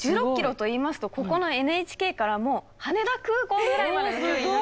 １６ｋｍといいますとここのＮＨＫからもう羽田空港ぐらいまでの距離になるわけです。